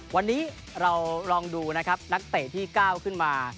วันนี้เราลองดูนะครับนักเตะที่ก้าวขึ้นมา